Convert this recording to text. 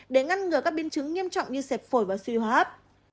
để ngăn ngừa các biến chứng nghiêm trọng như sẹp phổi và suy hoát